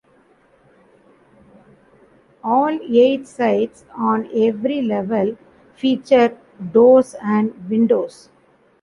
All eight sides on every level feature doors and windows.